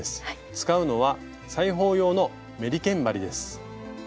使うのは裁縫用のメリケン針です。